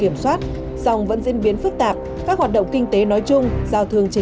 mà trong quá trình phục hồi nền kinh tế